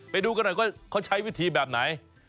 ไปดูกันหน่อยว่าเขาใช้วิธีแบบไหน